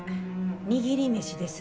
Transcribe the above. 握り飯です。